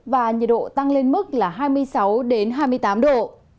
và nhiệt độ tăng lên mức là hai mươi sáu hai mươi tám độ